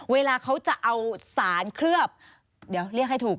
เวลาเขาจะเอาสารเคลือบเดี๋ยวเรียกให้ถูก